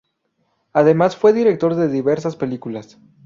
Además fue director de diversas películas.